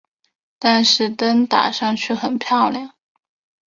但是灯打上去很漂亮